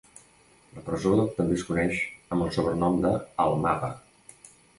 La presó també es coneix amb el sobrenom de "El mapa".